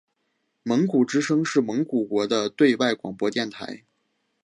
蒙古之声是蒙古国的对外广播电台。